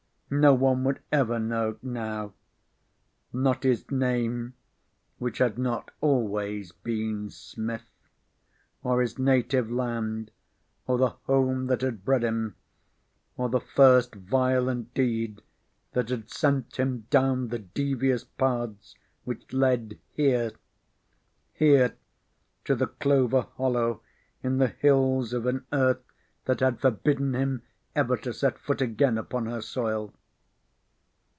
No one would ever know now. Not his name (which had not always been Smith) or his native land or the home that had bred him, or the first violent deed that had sent him down the devious paths which led here here to the clover hollow in the hills of an Earth that had forbidden him ever to set foot again upon her soil.